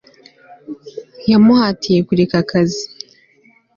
yamuhatiye kureka akazi